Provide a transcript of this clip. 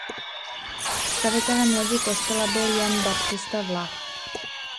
Stavitelem lodi kostela byl Jan Baptista Vlach.